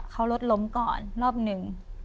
เขารถล้มก่อนรอบหนึ่ง